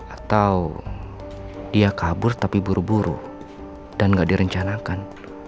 atau dia kabur tapi buru buru dan gak direncanakan